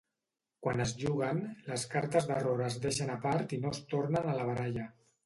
Quan es juguen, les cartes d'error es deixen a part i no es tornen a la baralla.